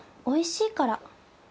おいしいから。